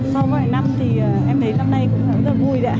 sau mọi năm thì em thấy năm nay cũng rất là vui